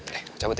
oke gue cabut ya